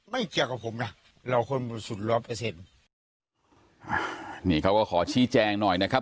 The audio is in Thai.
ไม่เกี่ยวกับผมนะเราคนบริสุทธิ์ร้อยเปอร์เซ็นต์นี่เขาก็ขอชี้แจงหน่อยนะครับ